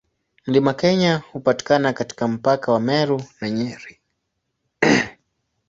Mlima Kenya hupatikana katika mpaka wa Meru na Nyeri.